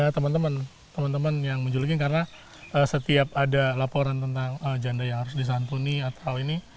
teman teman teman yang menjuluki karena setiap ada laporan tentang janda yang harus disantuni atau ini